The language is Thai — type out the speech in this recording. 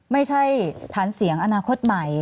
ไม่ใช่ทานเสียงอนาคตใหม่